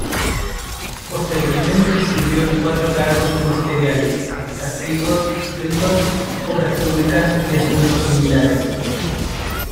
Posteriormente sirvió en cuatro cargos ministeriales: Castigos, ritos, obras públicas y asuntos militares.